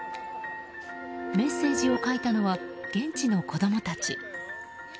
メッセージを書いたのは現地の子供たち。